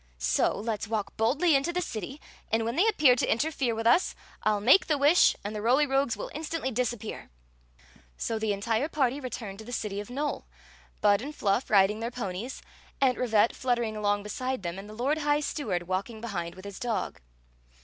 So let s walk boldly into the city, and when they appear to interfere with us I '11 make the wish and the Roly Rogues will instantly disappear." So the entire party returned to the city of Nole; Bud and Fluff riding their ponicsi Aunt Rivette flut tering along beside them, and the lord high steward walking behind with his dog.